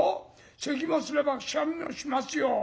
せきもすればくしゃみもしますよ。